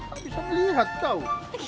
gak bisa melihat kau